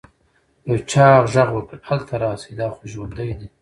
يو چا ږغ وکړ هلته راسئ دا خو ژوندى دى.